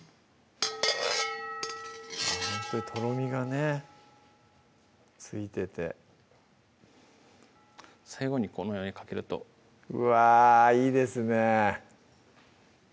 とろみがねついてて最後にこのようにかけるとうわぁいいですね